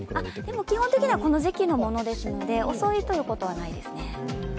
でも基本的にはこの時期のものですので遅いということはないですね。